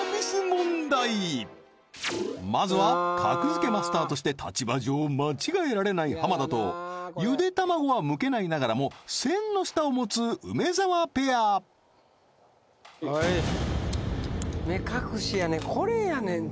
問まずは格付けマスターとして立場上間違えられない浜田とゆで卵はむけないながらも千の舌を持つ梅沢ペアはい目隠しやねん